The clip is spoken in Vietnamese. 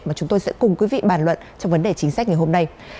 mà chúng tôi sẽ cùng quý vị bàn luận trong vấn đề chính sách ngày hôm nay